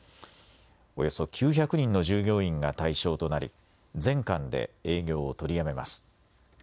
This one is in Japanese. およそ９００人の従業員が対象となり、全館で営業を取りやめます。